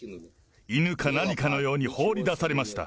犬か何かのように放り出されました。